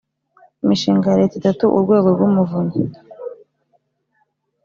imishinga ya leta itatu urwego rw'umuvunyi